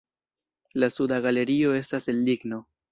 La suda galerio estas el ligno.